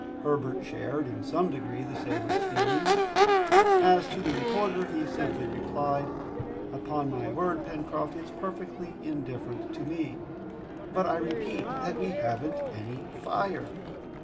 Herbert shared in some degree the sailor's feelings. As to the reporter, he simply replied, "Upon my word, Pencroft, it's perfectly indifferent to me!" "But, I repeat, that we haven't any fire!"